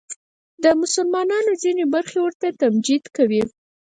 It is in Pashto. د مسلمانانو ځینې برخې ورته تمجید کوي